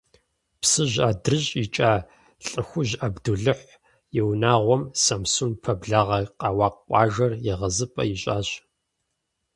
Псыжь адрыщӀ икӀа ЛӀыхужь Абдулыхь и унагъуэм Самсун пэблагъэ Къэуакъ къуажэр егъэзыпӀэ ищӀащ.